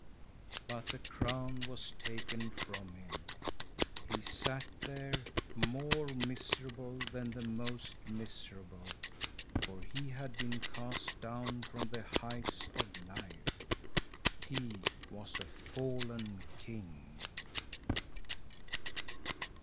But the crown was taken from him. He sat there, more miserable than the most miserable, for he had been cast down from the heights of life. He was a fallen king.